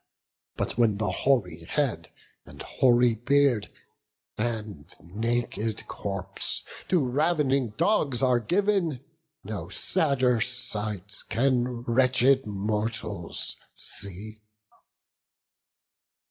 But when the hoary head and hoary beard, And naked corpse to rav'ning dogs are giv'n, No sadder sight can wretched mortals see."